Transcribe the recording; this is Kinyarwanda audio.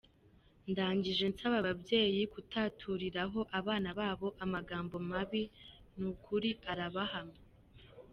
Ndangije nsaba ababyeyi kutaturiraho abana babo amagambo mabi, n’ukuri arabahama.